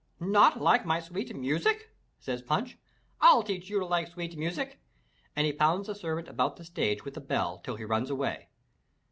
"Not like my sweet music?"says Punch. "I'll teach you to like sweet music!" and he pounds the servant about the stage with the bell till he runs away.